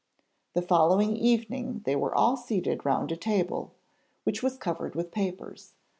The following evening they were all seated round a table, which was covered with papers.